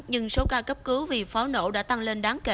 nhưng số ca cấp cứu vì pháo nổ đã tăng lên đáng kể